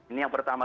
ini yang pertama